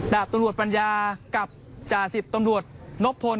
ดาบตำรวจปัญญากับจ่าสิบตำรวจนพล